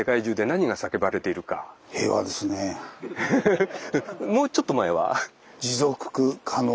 フフフもうちょっと前は？